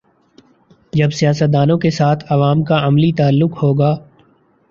جب سیاست دانوں کے ساتھ عوام کا عملی تعلق ہو گا۔